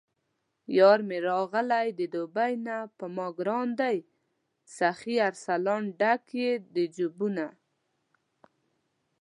یارمې راغلی د دوبۍ نه په ماګران دی سخي ارسلان، ډک یې د جېبونه